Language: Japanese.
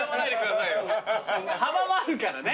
幅もあるからね。